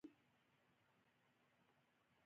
ایا ستاسو دیګ به ډک وي؟